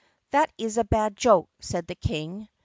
"That is a bad joke," said the King.